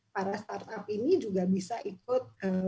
para startup ini juga bisa ikut